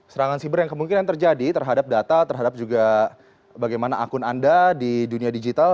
serangan siber yang kemungkinan terjadi terhadap data terhadap juga bagaimana akun anda di dunia digital